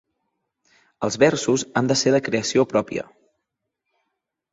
Els versos han de ser de creació pròpia.